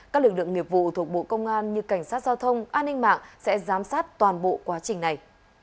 các lực lượng nghiệp vụ thuộc bộ công an như cảnh sát giao thông an ninh mạng sẽ giám sát toàn bộ quá trình này